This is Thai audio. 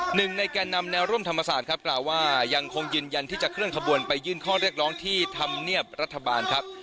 หนึ่งในแก่นำแนวร่วมธรรมศาสตร์ครับกล่าวว่ายังคงยืนยันที่จะเคลื่อนขบวนไปยื่นข้อเรียกร้องที่ธรรมเนียบรัฐบาลครับ